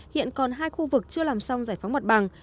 hiện còn hai khu vực chưa làm xong giải phóng mặt bằng